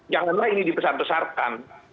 setelah ini dipesan pesarkan